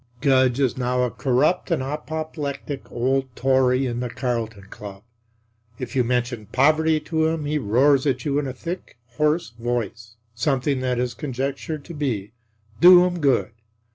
Gudge is now a corrupt and apoplectic old Tory in the Carlton Club; if you mention poverty to him he roars at you in a thick, hoarse voice something that is conjectured to be "Do 'em good!"